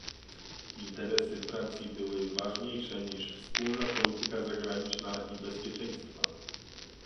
Interesy Francji były ważniejsze niż wspólna polityka zagraniczna i bezpieczeństwa